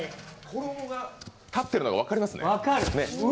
衣が立ってるのが分かりますね。